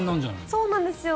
そうなんですよ。